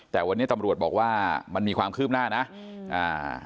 แต่วันนี้ตำรวจบอกว่ามันมีความคืบหน้านะอืมอ่า